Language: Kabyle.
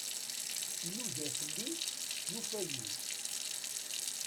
Inuda fell-i, yufa-iyi.